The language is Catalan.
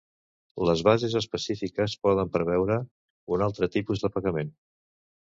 Les bases específiques poden preveure un altre tipus de pagament.